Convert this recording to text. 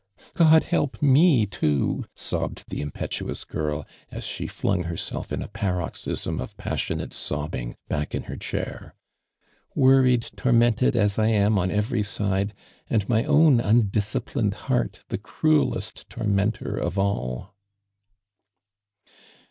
" God help me too !" sobbed the impetu ous girl, as she flung herself in a paroxysm of passionate sobbing back in hor chair. "Worried, tormented as I am on eTeiy side, and my own undisciplined heart the cruellest tormentor of all